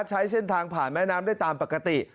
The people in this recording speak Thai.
ใช้เส้นทางผ่านแม่น้ำได้ตามปกติ